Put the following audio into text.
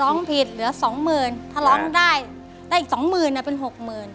ร้องผิดเหลือสองหมื่นถ้าร้องได้ได้อีกสองหมื่นเป็นหกหมื่น